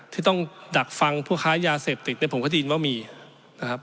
ที่ต้องดักฟังผู้ค้ายาเสพติดเนี่ยผมก็ได้ยินว่ามีนะครับ